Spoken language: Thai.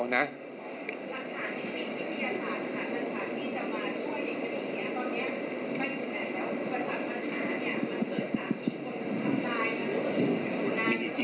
ตอบได้เท่าที่ตอบได้มั้ยครับ